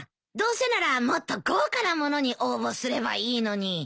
どうせならもっと豪華なものに応募すればいいのに。